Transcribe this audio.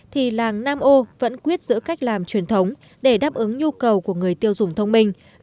thì làng nam ô vẫn quyết giữ cách làm truyền thống để đáp ứng nhu cầu của người tiêu dùng thông minh